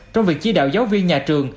trong việc chi đạo giáo viên nhà trường